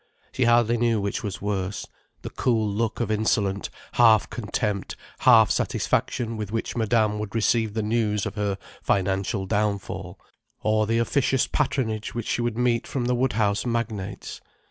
She hardly knew which was worse: the cool look of insolent half contempt, half satisfaction with which Madame would receive the news of her financial downfall, or the officious patronage which she would meet from the Woodhouse magnates.